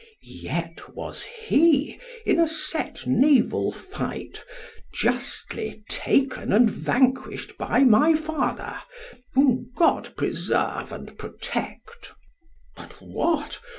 Yet was he in a set naval fight justly taken and vanquished by my father, whom God preserve and protect. But what?